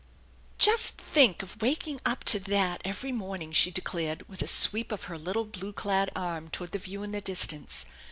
"Just think of waking up to that every morning," she declared with a sweep of her little blue elad arm toward the view in the distance.